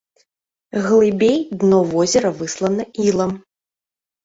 Глыбей дно возера выслана ілам.